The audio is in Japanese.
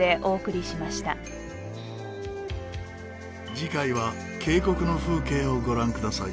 次回は渓谷の風景をご覧ください。